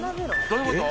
どういうこと？